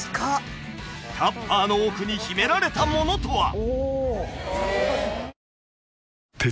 タッパーの奥に秘められたものとは？